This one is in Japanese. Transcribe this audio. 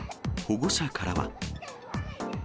保護者からは。